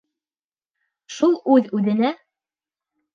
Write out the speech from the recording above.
Шул үҙ-үҙенә...